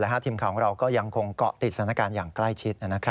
ทีมข่าวของเราก็ยังคงเกาะติดสถานการณ์อย่างใกล้ชิด